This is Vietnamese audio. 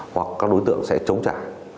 hoặc các đối tượng sẽ chống trả